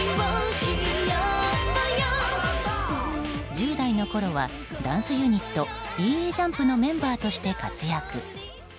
１０代のころはダンスユニットＥＥＪＵＭＰのメンバーとして活躍。